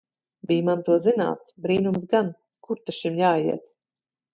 Bij man to zināt! Brīnums gan! Kur ta šim jāiet!